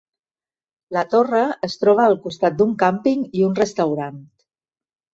La Torre es troba al costat d'un càmping i un restaurant.